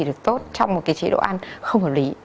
được tốt trong một cái chế độ ăn không hợp lý